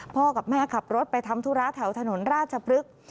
กับแม่ขับรถไปทำธุระแถวถนนราชพฤกษ์